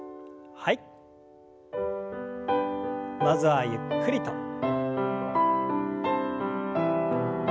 まずはゆっくりと。